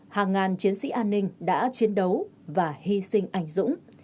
hàng ngàn chiến sĩ an ninh đã chiến đấu và hy sinh ảnh dũng